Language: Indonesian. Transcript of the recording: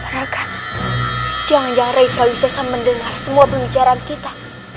raka jangan jangan reis rauhisesa mendengar semua pembicaraan kita